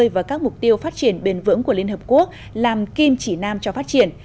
và các mục tiêu phát triển bền vững của liên hợp quốc làm kim chỉ nam cho phát triển